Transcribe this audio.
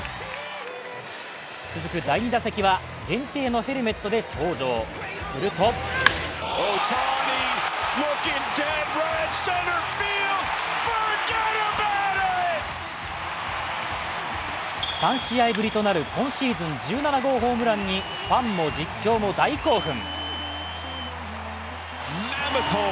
続く第２打席は限定のヘルメットで登場、すると３試合ぶりとなる今シーズン１７号ホームランにファンも実況も大興奮。